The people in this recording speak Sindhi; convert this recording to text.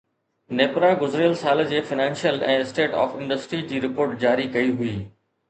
نيپرا گذريل سال جي فنانشل ۽ اسٽيٽ آف انڊسٽري جي رپورٽ جاري ڪئي هئي